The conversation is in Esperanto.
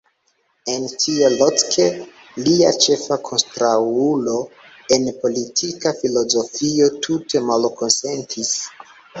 En tio, Locke, lia ĉefa kontraŭulo en politika filozofio, tute malkonsentis.